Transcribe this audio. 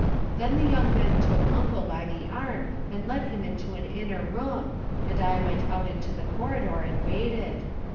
Then the young men took Uncle by the arm and led him into an inner room and I went out into the corridor and waited.